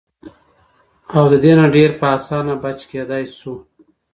او د دې نه ډېر پۀ اسانه بچ کېدے شو -